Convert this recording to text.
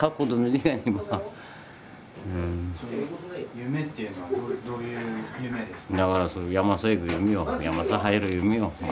夢っていうのはどういう夢ですか？